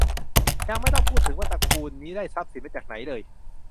ยังไม่ต้องพูดถึงว่าตระกูลนี้ได้ทรัพย์สินมาจากไหนเลย